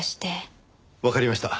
わかりました。